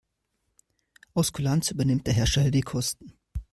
Aus Kulanz übernimmt der Hersteller die Kosten.